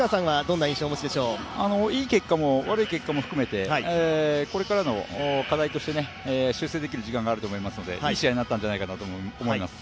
いい結果も悪い結果も含めてこれからの課題として、修正できる時間があると思いますのでいい試合になったんじゃないかというふうに思います。